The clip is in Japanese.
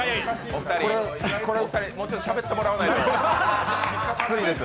お二人、もうちょっとしゃべってもらわないときついです。